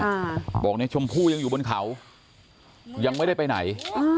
อ่าบอกนี่ชมพูยังอยู่บนเขายังไม่ได้ไปไหน